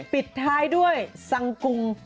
ปิดท้ายด้วยสังกุง